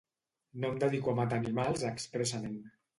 No em dedico a matar animals expressament.